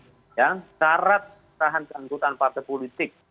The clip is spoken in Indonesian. syarat tahan keanggotaan partai politik